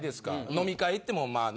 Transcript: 飲み会行ってもまあね。